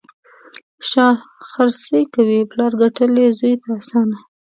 شا خرڅي کوي: پلار ګټلي، زوی ته اسانه.